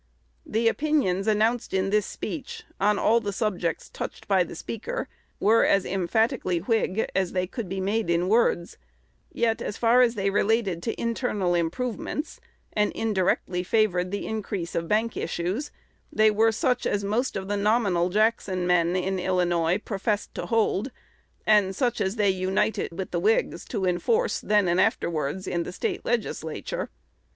The opinions announced in this speech, on all the subjects touched by the speaker, were as emphatically Whig as they could be made in words; yet as far as they related to internal improvements, and indirectly favored the increase of bank issues, they were such as most of the "nominal Jackson men" in Illinois professed to hold, and such as they united with the Whigs to enforce, then and afterwards, in the State Legislature.